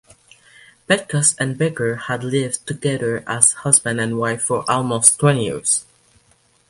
Pettkus and Becker had lived together as husband and wife for almost twenty years.